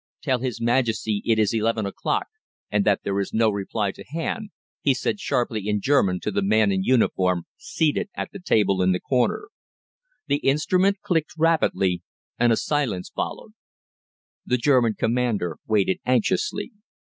"Tell His Majesty that it is eleven o'clock, and that there is no reply to hand," he said sharply in German to the man in uniform seated at the table in the corner. The instrument clicked rapidly, and a silence followed. The German Commander waited anxiously.